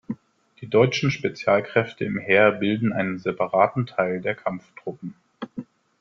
Die deutschen Spezialkräfte im Heer bilden einen separaten Teil der Kampftruppen.